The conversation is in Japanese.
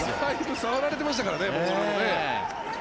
触られてましたからねボール。